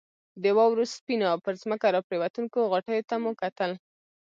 د واورې سپینو او پر ځمکه راپرېوتونکو غټیو ته مو کتل.